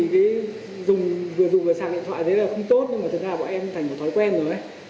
vừa sử dụng vừa sạc điện thoại thế là không tốt nhưng mà thật ra bọn em thành một thói quen rồi ấy